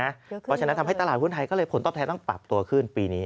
เพราะฉะนั้นทำให้ตลาดหุ้นไทยก็เลยผลตอบแทนต้องปรับตัวขึ้นปีนี้